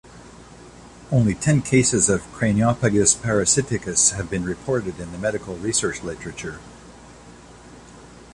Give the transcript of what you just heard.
Only ten cases of craniopagus parasiticus have been reported in the medical research literature.